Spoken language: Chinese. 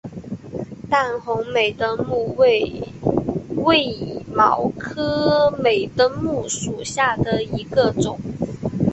淡红美登木为卫矛科美登木属下的一个种。